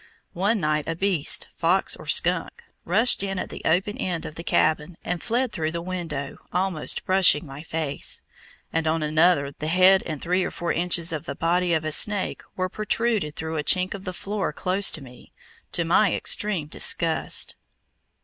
One night a beast (fox or skunk) rushed in at the open end of the cabin, and fled through the window, almost brushing my face, and on another, the head and three or four inches of the body of a snake were protruded through a chink of the floor close to me, to my extreme disgust.